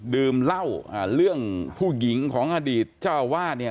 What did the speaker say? ดื่มเหล้าอ่าเรื่องผู้หญิงของอดีตเจ้าวาดเนี่ย